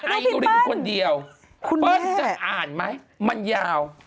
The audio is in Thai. อาจรีบคนเดียวคุณแม่ปื้นจะอ่านมั้ยมันยาว